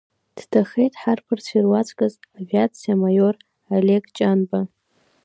Дҭахеит ҳаԥырцәа ируаӡәкыз, авиациа амаиор Олег Ҷанба.